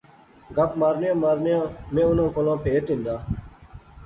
گپ مارنیاں مارنیاں میں انیں کولا پھیت ہندا